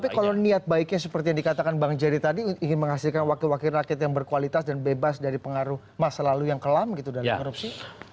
tapi kalau niat baiknya seperti yang dikatakan bang jerry tadi ingin menghasilkan wakil wakil rakyat yang berkualitas dan bebas dari pengaruh masa lalu yang kelam gitu dalam korupsi